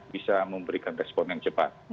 bisa memberikan respon yang cepat